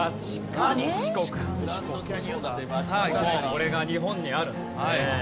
これが日本にあるんですね。